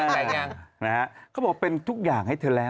นะฮะก็บอกเป็นทุกอย่างให้เธอแล้ว